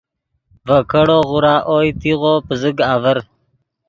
ڤے کیڑو غورا اوئے تیغو پزیگ آڤر